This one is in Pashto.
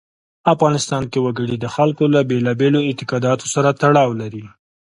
افغانستان کې وګړي د خلکو له بېلابېلو اعتقاداتو سره تړاو لري.